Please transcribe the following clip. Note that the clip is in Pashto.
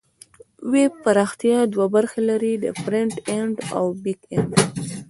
ویب پراختیا دوه برخې لري: فرنټ اینډ او بیک اینډ.